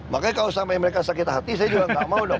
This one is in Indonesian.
makanya kalau sampai mereka sakit hati saya juga nggak mau dong